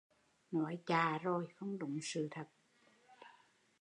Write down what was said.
Nói chạ rồi, không đúng sự thật